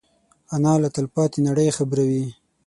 انا له تلپاتې نړۍ خبروي